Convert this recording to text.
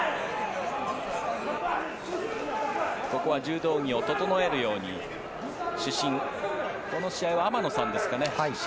ここは柔道着を整えるように主審この試合はアマノさんですかね。